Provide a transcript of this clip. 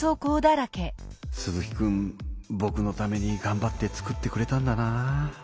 鈴木くんぼくのためにがんばって作ってくれたんだなぁ。